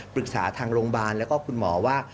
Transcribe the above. ปรึกษาทางโรงพยาบาลแล้วก็คุณหมอว่า